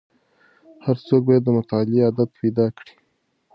هر څوک باید د مطالعې عادت پیدا کړي.